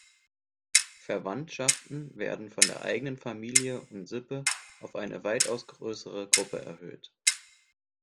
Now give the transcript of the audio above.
Verwandtschaften werden von der eigenen Familie und Sippe auf eine weitaus größere Gruppe erhöht.